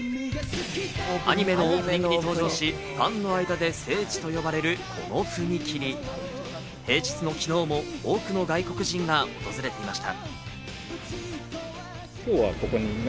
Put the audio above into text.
アニメのオープニングに登場し、ファンの間で聖地と呼ばれる、この踏切、平日の昨日も多くの外国人が訪れていました。